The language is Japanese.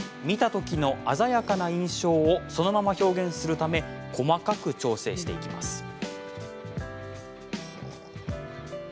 見たときの鮮やかな印象をそのまま表現するため細かく調整します。